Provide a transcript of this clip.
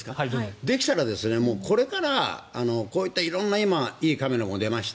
できたらこれからこういった色んないいカメラも出ました。